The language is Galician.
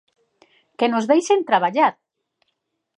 Que nos deixen traballar.